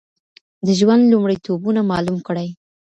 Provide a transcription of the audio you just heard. د ژوند لومړيتوبونه معلوم کړئ